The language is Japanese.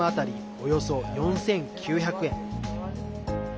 およそ４９００円。